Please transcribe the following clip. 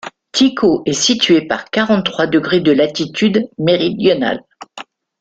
Tycho est situé par quarante-trois degré de latitude méridionale